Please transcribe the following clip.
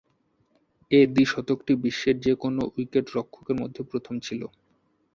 এ দ্বি-শতকটি বিশ্বের যে-কোন উইকেট-রক্ষকের মধ্যে প্রথম ছিল।